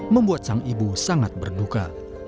membuat sang ibu sangat berduka